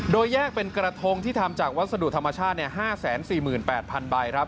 โดยแยกเป็นกระทงที่ทำจากวัสดุธรรมชาติ๕๔๘๐๐๐ใบครับ